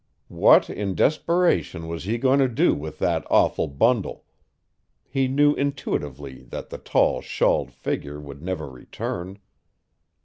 What in desperation was he going to do with that awful bundle? He knew intuitively that the tall, shawled figure would never return.